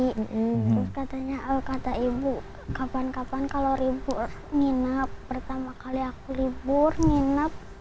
terus katanya kata ibu kapan kapan kalau ribur nginep pertama kali aku ribur nginep